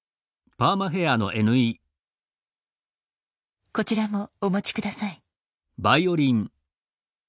こちらもお持ち下さい。